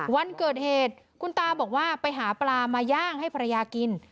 วันเกิดเหตุคุณตาบอกว่าไปหาปลามาย่างให้ภรรยากิน